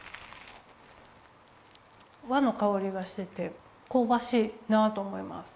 和のかおりがしててこうばしいなと思います。